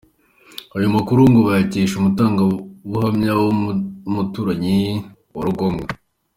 Ayo makuru ngo bayakesha umutangabuhamya w’umuturanyi wa Rugomwa.